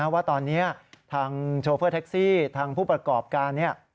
ว่าตอนนี้ทางโชเฟอร์แท็กซี่ทางผู้ประกอบการ